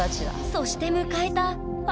そして迎えたひ。